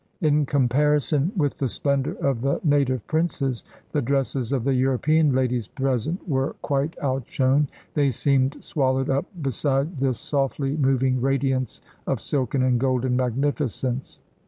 In comparison with the splendor of the native princes, the dresses of the European ladies present were quite outshone. "They seemed swallowed up beside this 250 THE CORONATION DURBAR OF 191 1 softly moving radiance of silken and golden magnifi cence."